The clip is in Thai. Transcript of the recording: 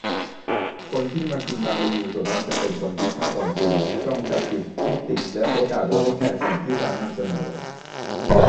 คนที่มากินตามรีวิวส่วนมากจะเป็นคนที่คาดหวังสูง จ้องจับผิด ขี้ติและโพสด่าโดยไม่แคร์สิ่งที่ร้านนำเสนอ